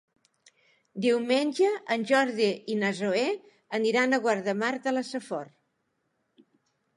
Diumenge en Jordi i na Zoè aniran a Guardamar de la Safor.